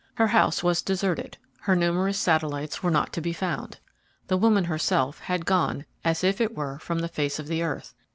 Her house was deserted, her numerous satellites were not to be found. The woman herself had gone as it were from the face of the earth.